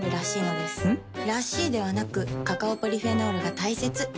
ん？らしいではなくカカオポリフェノールが大切なんです。